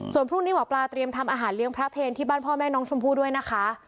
ส่วนพรุ่งนี้หมอปลาเตรียมทำอาหารเลี้ยงพระเพลที่บ้านพ่อแม่น้องชมพู่ด้วยนะคะ